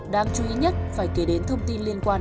đáng chú ý nhất phải kể đến thông tin liên quan